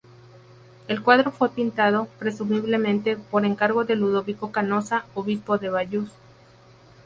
El cuadro fue pintado, presumiblemente, por encargo de Ludovico Canossa, obispo de Bayeux.